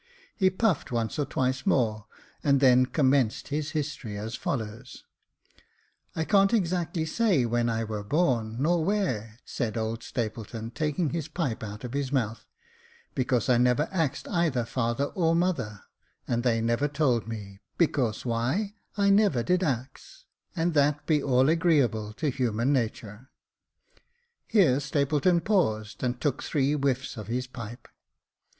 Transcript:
He puffed once or twice more, and then commenced his history as follows :—I can't exactly say when I were born, nor where," said old Stapleton, taking his pipe out of his mouth, " because I never axed either father or mother, and they never told Jacob Faithful 203 me, because why I never did ax, and that be all agreeable to human natur." Here Stapleton paused, and took three whiffs of his pipe.